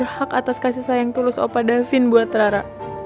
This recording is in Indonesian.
hak atas kasih sayang tulus opa davin buat rara